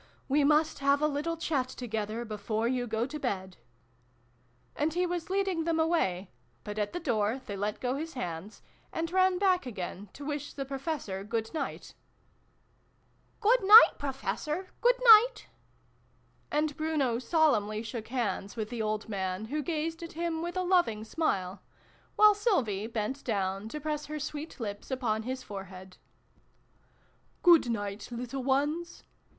" We must have a little chat together, before you go to bed." And he was leading them away, but at the door they let go his hands, and ran back again to wish the Professor good night. 398 SYLVIE AND BRUNO CONCLUDED. " Good night, Professor, good night !" And Bruno solemnly shook hands with the old man, who gazed at him with a loving smile, while Sylvie bent down to press her sweet lips upon his forehead. " Good night, little ones